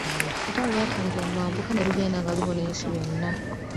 Olutalo lwatandikira mu mambuka ne lugenda nga lubuna ensi yonna.